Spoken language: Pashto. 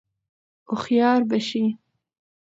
هوښیار به شې !